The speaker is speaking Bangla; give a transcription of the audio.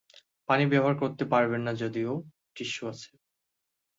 পানি ব্যবহার করতে পারবেন না যদিও, টিস্যু আছে।